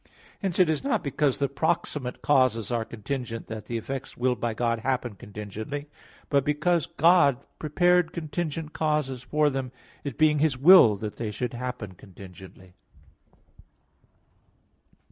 Hence it is not because the proximate causes are contingent that the effects willed by God happen contingently, but because God prepared contingent causes for them, it being His will that they should happen contingently.